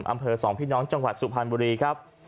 อำเภอสองพี่น้องจังหวัดสุพรรณบุรีครับ